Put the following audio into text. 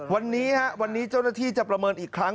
วันนี้เจ้าหน้าที่จะประเมินอีกครั้ง